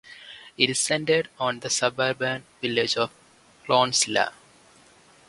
It is centred on the suburban village of Clonsilla.